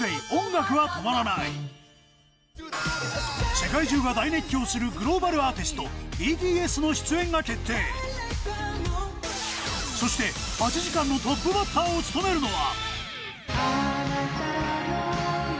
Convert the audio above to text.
世界中が大熱狂するグローバルアーティストそして８時間のトップバッターを務めるのは